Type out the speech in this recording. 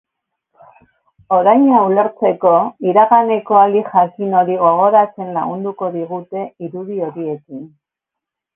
Oraina ulertzeko iraganeko aldi jakin hori gogoratzen lagunduko digute irudi horiekin.